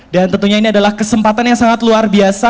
dan tentunya ini adalah kesempatan yang sangat luar biasa